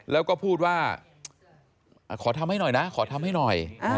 แล้วก็พูดว่าขอทำให้หน่อยนะขอทำให้หน่อย